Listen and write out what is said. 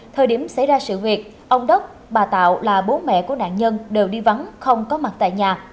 thời điểm xảy ra sự việc ông đốc bà tạo là bố mẹ của nạn nhân đều đi vắng không có mặt tại nhà